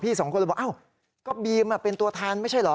พีศสองคนแบ็จบอกว่าบีมเป็นตัวทานมั่งใช่หรอ